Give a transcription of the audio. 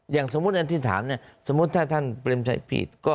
อย่างสมมติอันที่ถามถ้าท่านเป็นใจผิด